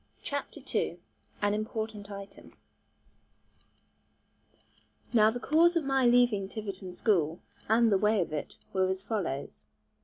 CHAPTER II AN IMPORTANT ITEM Now the cause of my leaving Tiverton school, and the way of it, were as follows.